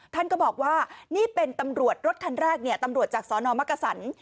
ท่านก็บอกว่านี่เป็นตำรวจรถคันแรกเนี่ยตำรวจจากสนมักกษัน